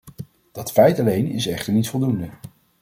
Dat feit alleen is echter niet voldoende.